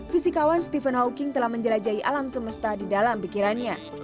fisikawan stephen hawking telah menjelajahi alam semesta di dalam pikirannya